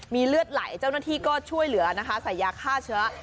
มีเลือดไหลเจ้าหน้าที่ก็ช่วยเหลือนะคะใส่ยาฆ่าเชื้อ